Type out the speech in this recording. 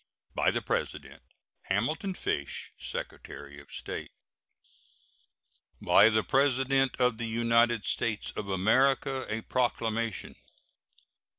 By the President: HAMILTON FISH, Secretary of State. BY THE PRESIDENT OF THE UNITED STATES OF AMERICA. A PROCLAMATION.